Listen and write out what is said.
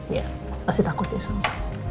iya pasti takut nih sama